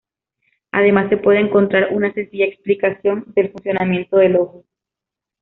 Además se puede encontrar una sencilla explicación del funcionamiento del ojo.